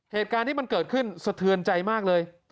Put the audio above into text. เหตุการณ์ที่มันเกิดขึ้นสะเทือนใจมากเลย